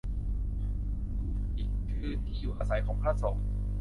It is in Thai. กุฎิ คือที่อยู่อาศัยของพระสงฆ์